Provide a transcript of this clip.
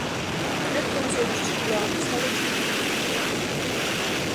ტყე კუნძულის ჩრდილო-აღმოსავლეთში ნაკრძალია.